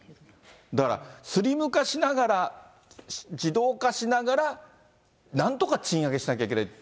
だから、スリム化しながら、自動化しながら、なんとか賃上げしなきゃいけない。